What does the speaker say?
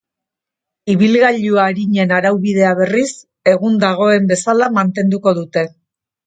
Ibilgailu arinen araubidea, berriz, egun dagoen bezala mantenduko dute.